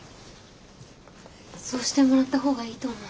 そうしてもらった方がいいと思う。